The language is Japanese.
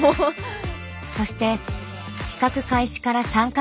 そして企画開始から３か月。